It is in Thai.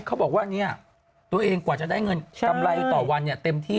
เขาบอกว่าเนี่ยตัวเองกว่าจะได้เงินกำไรต่อวันเต็มที่